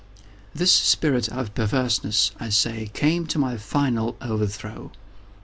This spirit of perverseness, I say, came to my final overthrow.